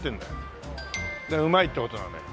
だから「うまい」って事なのよ。